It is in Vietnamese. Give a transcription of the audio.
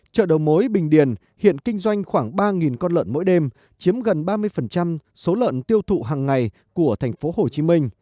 chợ đầu mối bình điền hiện kinh doanh khoảng ba con lợn mỗi đêm chiếm gần ba mươi số lợn tiêu thụ hàng ngày của tp hcm